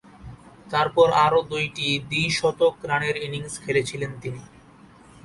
তারপর আরও দুইটি দ্বি-শতক রানের ইনিংস খেলেছিলেন তিনি।